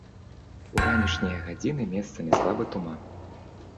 У ранішнія гадзіны месцамі слабы туман.